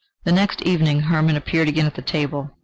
The next evening Hermann appeared again at the table.